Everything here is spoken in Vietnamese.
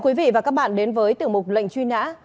quý vị và các bạn đến với tiểu mục lệnh truy nã